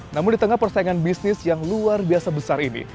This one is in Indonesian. namun di tengah persaingan bisnis yang luar biasa besar ini